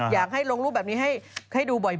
อยากให้ลงรูปแบบนี้ให้ดูบ่อย